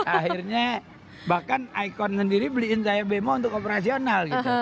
akhirnya bahkan ikon sendiri beliin saya bemo untuk operasional gitu